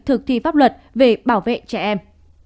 thực thi pháp luật về bảo vệ trẻ em